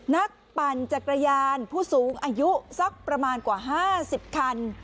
ปั่นจักรยานผู้สูงอายุสักประมาณกว่า๕๐คัน